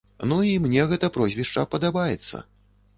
Ну і мне гэта прозвішча падабаецца.